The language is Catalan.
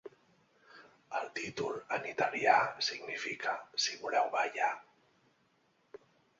El títol en italià significa "Si voleu ballar".